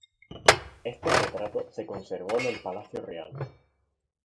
Este retrato se conservó en el palacio real.